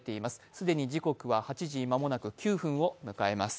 既に時刻は８時間もなく９分を迎えます。